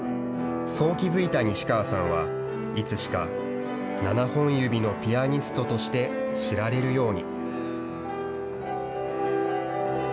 そう気付いた西川さんは、いつしか７本指のピアニストとして、知られるように。